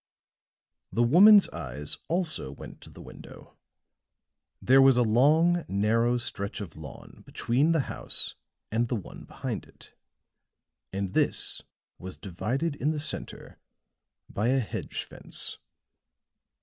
The woman's eyes also went to the window; there was a long, narrow stretch of lawn between the house and the one behind it; and this was divided in the center by a hedge fence.